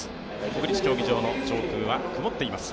国立競技場の上空は曇っています。